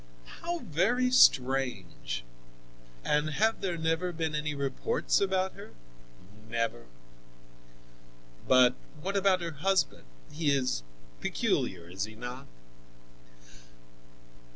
"How very strange! And have there never been any reports about her?" "Never." "But what about her husband? He is peculiar, is he not?"